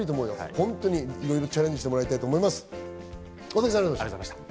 本当にいろいろチャレンジしてほしいと思います。